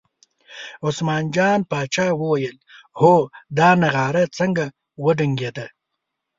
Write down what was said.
عثمان جان پاچا وویل هو دا نغاره څنګه وډنګېده.